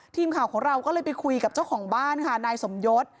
ทีมข่าวของเราก็เลยไปคุยกับเจ้าของบ้านค่ะนายสมยศ